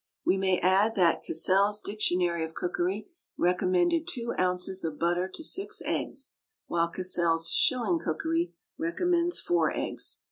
We may add that "Cassell's Dictionary of Cookery" recommended two ounces of butter to six eggs, whilst "Cassell's Shilling Cookery" recommends four eggs.